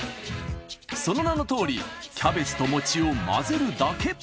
その名のとおりキャベツと餅を混ぜるだけ。